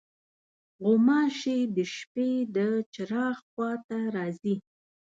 غوماشې د شپې د چراغ خوا ته راځي.